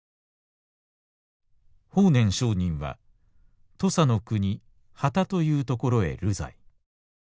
「法然聖人は土佐の国番田という所へ流罪。